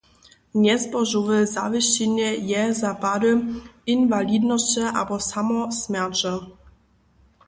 Njezbožowe zawěsćenje je za pady inwalidnosće abo samo smjerće.